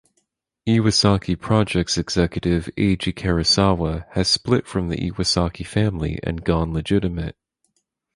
Iwasaki Projects Executive Eiji Karasawa has split from the Iwasaki Family and gone legitimate.